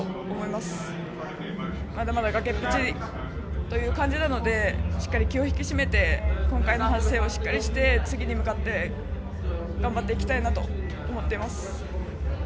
まだまだ崖っぷちという感じなのでしっかり気を引き締めて今回の反省をしっかりして次に向かって頑張っていきたいなと思っています。